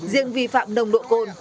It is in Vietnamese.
riêng vi phạm nồng độ cồn